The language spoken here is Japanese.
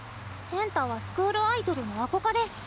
センターはスクールアイドルの憧れ。